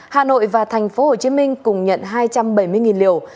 hà nội và thành phố hồ chí minh cùng nhận hai trăm bảy mươi liều